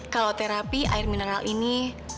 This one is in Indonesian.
kalau terapi air mineral ini